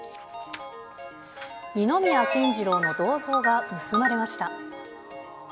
二宮金次郎の銅像が盗まれま